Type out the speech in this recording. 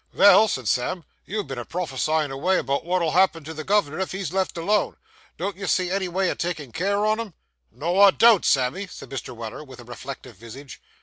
'Well,' said Sam, 'you've been a prophecyin' avay about wot'll happen to the gov'ner if he's left alone. Don't you see any way o' takin' care on him?' 'No, I don't, Sammy,' said Mr. Weller, with a reflective visage.